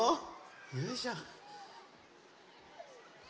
よいしょ。